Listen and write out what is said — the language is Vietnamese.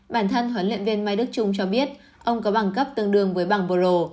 bản thân huấn luyện viên mai đức trung cho biết ông có bằng cấp tương đương với bằng pro